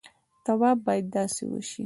طواف باید داسې وشي.